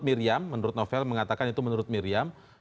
miriam menurut novel mengatakan itu menurut miriam